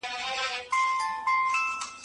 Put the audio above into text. کمونستان د کمزورې ارادې خاوندان نه وو.